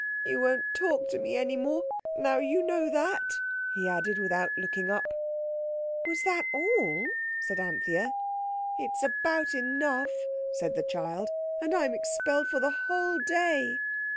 "You won't talk to me any more now you know that," he added without looking up. "Was that all?" asked Anthea. "It's about enough," said the child; "and I'm expelled for the whole day!"